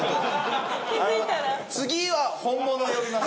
次は本物を呼びます。